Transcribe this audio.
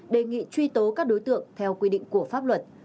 đề nghị truy tố các đối tượng theo quy định của pháp luật